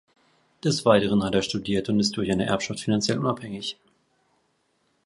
Des Weiteren hat er studiert und ist durch eine Erbschaft finanziell unabhängig.